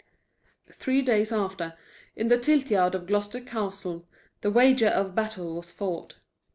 Three days after, in the tilt yard of Gloucester Castle, the wager of battle was fought.